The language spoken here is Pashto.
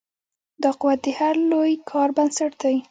دا قوت د هر لوی کار بنسټ دی.